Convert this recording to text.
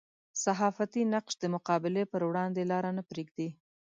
صحافتي نقش د مقابلې پر وړاندې لاره نه پرېږدي.